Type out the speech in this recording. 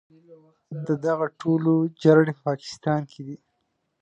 د دغو ټولو جرړې په پاکستان کې دي.